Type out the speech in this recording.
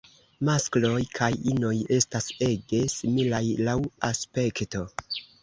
Maskloj kaj inoj estas ege similaj laŭ aspekto.